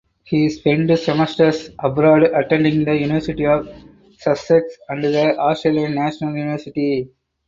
He spent semesters abroad attending the University of Sussex and the Australian National University.